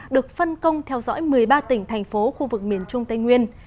được phân công theo dõi một mươi ba tỉnh thành phố khu vực miền trung tây nguyên